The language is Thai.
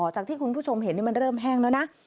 จากที่คุณผู้ชมเห็นมันเริ่มแห้งแล้วนะ